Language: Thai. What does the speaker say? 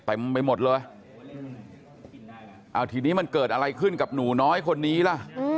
เต็มไปหมดเลยเอาทีนี้มันเกิดอะไรขึ้นกับหนูน้อยคนนี้ล่ะ